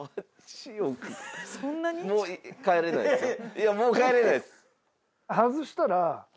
いやもう変えれないです。